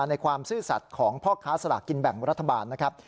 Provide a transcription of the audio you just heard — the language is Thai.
ในความซื่อสัตว์ของพ่อค้าสลากกินแบ่งรัฐบาลนะครับ